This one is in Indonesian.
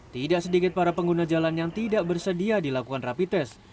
tidak sedikit para pengguna jalan yang tidak bersedia dilakukan rapi tes